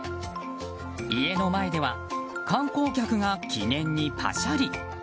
家の前では観光客が記念にぱしゃり。